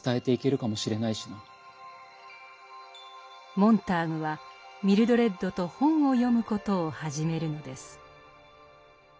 モンターグはミルドレッドと本を読むことを始めるのです。